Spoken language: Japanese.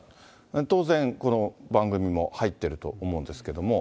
当然、この番組も入っていると思うんですけども。